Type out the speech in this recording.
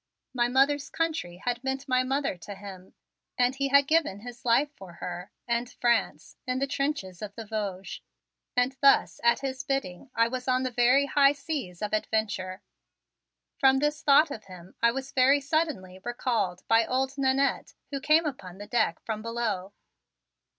My mother's country had meant my mother to him and he had given his life for her and France in the trenches of the Vosges. And thus at his bidding I was on the very high seas of adventure. From this thought of him I was very suddenly recalled by old Nannette who came upon the deck from below.